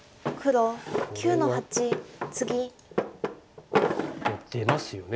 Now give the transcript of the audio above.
これはまあ出ますよね。